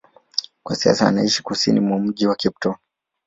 Kwa sasa anaishi kusini mwa mji wa Cape Town.